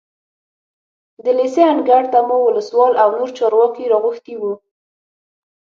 د لېسې انګړ ته مو ولسوال او نور چارواکي راغوښتي وو.